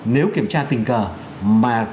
nếu kiểm tra tình cờ mà